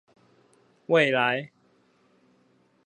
未來